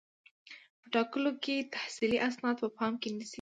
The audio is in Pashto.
په ټاکلو کې تحصیلي اسناد په پام کې نیسي.